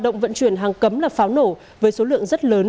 nền hàng cấm là pháo nổ với số lượng rất lớn